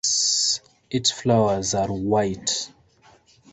Its flowers are white.